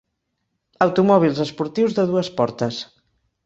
Automòbils esportius de dues portes.